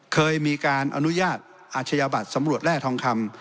เคยมีการอนุญาตอาชญาบัตรสำรวจแร่ทองคำ